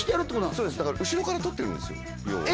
そうですだから後ろから取ってるんです要は。